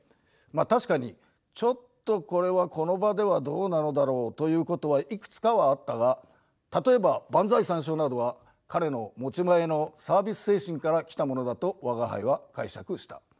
確かにちょっとこれはこの場ではどうなのだろうということはいくつかはあったが例えば万歳三唱などは彼の持ち前のサービス精神から来たものだと吾輩は解釈した。